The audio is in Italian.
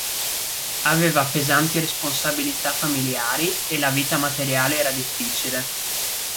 Aveva pesanti responsabilità familiari e la vita materiale era difficile.